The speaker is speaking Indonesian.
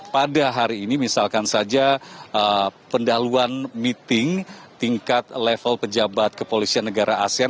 pada hari ini misalkan saja pendahuluan meeting tingkat level pejabat kepolisian negara asean